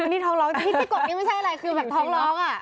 มิ้นที่กดนี่ไม่ใช่อะไรคือแบบท้องร้องอ่ะ